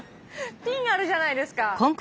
⁉ピンがあるじゃないですか。